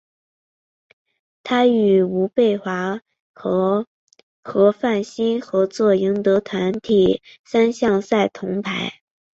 他与吴蓓华和何苑欣合作赢得团体三项赛铜牌。